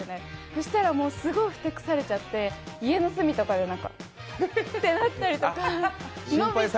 そうしたらすごいふてくされちゃって、家の隅とかでてなったりとか。